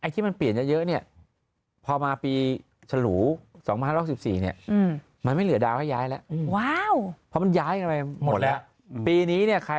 ทั้งปีด้วยหรอคะ